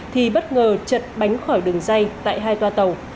thì bất ngờ chật bánh khỏi đường dây tại hai toa tàu